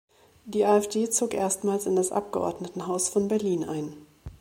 Die AfD zog erstmals in das Abgeordnetenhaus von Berlin ein.